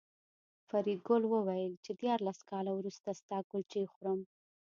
فریدګل وویل چې دیارلس کاله وروسته ستا کلچې خورم